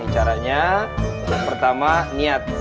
caranya pertama niat